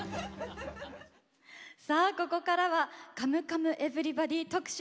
さあ、ここからは「カムカムエヴリバディ」特集。